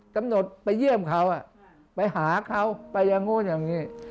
กำหนดไปเยี่ยมเขาไปหาเขาไปอย่างนู้นอย่างนี้